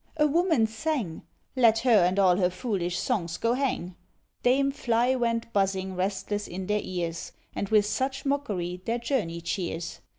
a woman sang: Let her and all her foolish songs go hang! Dame Fly went buzzing restless in their ears, And with such mockery their journey cheers.